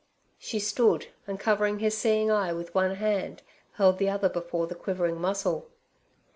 She stood, and covering his seeing eye with one hand, held the other before the quivering muscle.